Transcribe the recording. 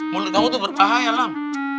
menurut kamu tuh berbahaya lam